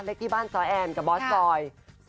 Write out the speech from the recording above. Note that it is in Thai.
เล็กที่บ้านซอแอมกับบอสซอย